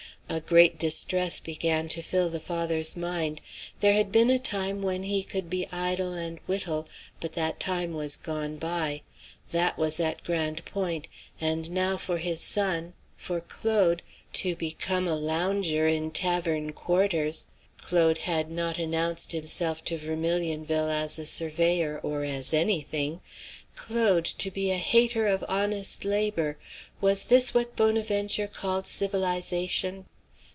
A great distress began to fill the father's mind. There had been a time when he could be idle and whittle, but that time was gone by; that was at Grande Pointe; and now for his son for Claude to become a lounger in tavern quarters Claude had not announced himself to Vermilionville as a surveyor, or as any thing Claude to be a hater of honest labor was this what Bonaventure called civilize ation?